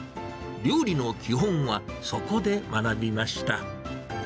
料理の基本は、そこで学びました。